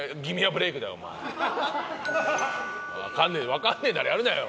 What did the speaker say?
分かんねえならやるなよ